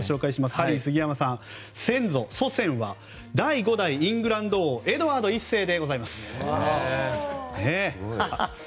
ハリー杉山さんの先祖、祖先は第５代イングランド王エドワード１世でございます。